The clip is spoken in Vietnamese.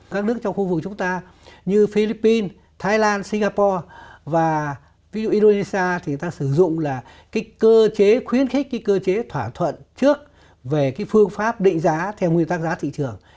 các nước trong khu vực chúng ta như philippines thái lan singapore và ví dụ indonesia thì người ta sử dụng là cái cơ chế khuyến khích cái cơ chế thỏa thuận trước về cái phương pháp định giá theo nguyên tắc giá thị trường